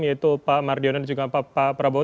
yaitu pak mardiono dan juga pak prabowo